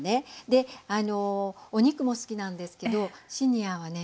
でお肉も好きなんですけどシニアはね